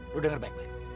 lo denger baik baik